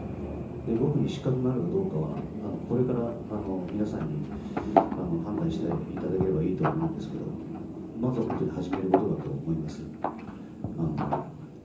僕に資格があるかどうかはこれから皆さんに判断していただければいいと思うんですけどまずは始めることだと思っております。